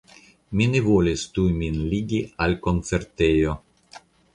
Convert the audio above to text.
Mi ne volis tuj min ligi al koncertejo.